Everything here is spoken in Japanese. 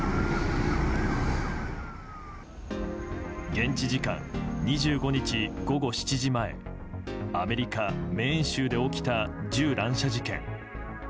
現地時間２５日午後７時前アメリカ・メーン州で起きた銃乱射事件。